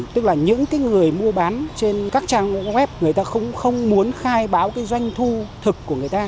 tức là những người mua bán trên các trang web người ta không muốn khai báo cái doanh thu thực của người ta